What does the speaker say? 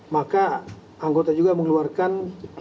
maka anggota juga mengeluarkan